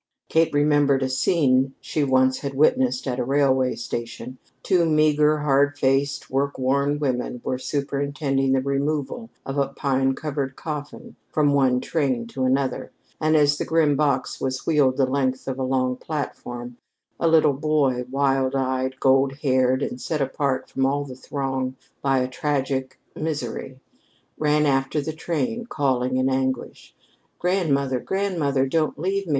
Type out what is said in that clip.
Kate remembered a scene she once had witnessed at a railway station. Two meagre, hard faced, work worn women were superintending the removal of a pine covered coffin from one train to another, and as the grim box was wheeled the length of a long platform, a little boy, wild eyed, gold haired, and set apart from all the throng by a tragic misery, ran after the truck calling in anguish: "Grandmother! Grandmother! Don't leave me!